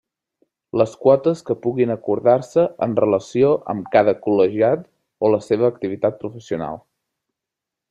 Les quotes que puguin acordar-se en relació amb cada col·legiat o a la seva activitat professional.